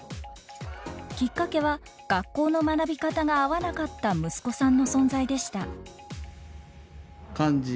きっかけは学校の学び方が合わなかった息子さんの存在でした。